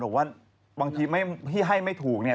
บอกว่าบางทีที่ให้ไม่ถูกเนี่ย